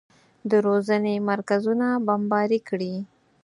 د روزنې مرکزونه بمباري کړي.